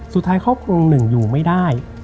สุดท้ายครอบครัวลุงหนึ่งอยู่ไม่ได้